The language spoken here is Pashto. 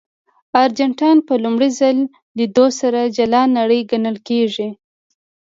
ارجنټاین په لومړي ځل لیدو سره جلا نړۍ ګڼل کېږي.